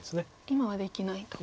今はできないと。